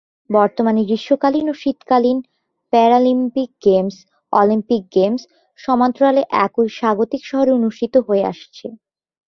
বর্তমানে গ্রীষ্মকালীন ও শীতকালীন প্যারালিম্পিক গেমস, অলিম্পিক গেমসের সমান্তরালে একই স্বাগতিক শহরে অনুষ্ঠিত হয়ে আসছে।